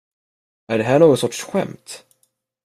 Är det här någon sorts skämt?